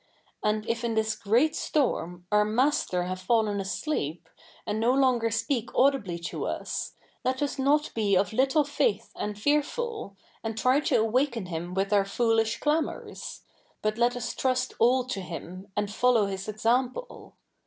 And if in this great storm our Master have fallen asleep, a?id no lo tiger speak audibly to us, let us not be of little faith and fea?ful, and t?y 86 THE NEW REPUBLIC [bk. ii to awaken Him ivith our foolish clamours ; but let tis trust all to him, andfolloiv His example.